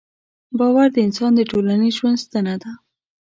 باور د انسان د ټولنیز ژوند ستنه ده.